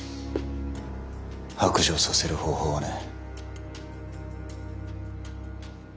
白状させる方法はね。